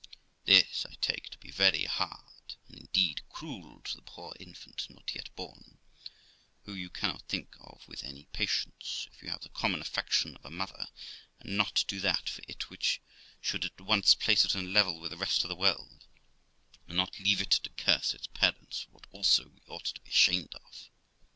This I take to be very hard, and, indeed, cruel to the poor infant not yet born, who you cannot think of with any patience, if you have the common affection of a mother, and not do that for it which should at once place it on a level with the rest of the world, and not leave it to curse its parents for what also we ought to be ashamed of.